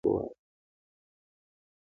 بیا مې ویل هسې نه راته ووایي.